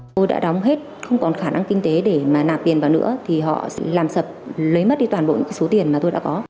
tôi đã đóng hết không còn khả năng kinh tế để mà nạp tiền vào nữa thì họ làm sập lấy mất đi toàn bộ số tiền mà tôi đã có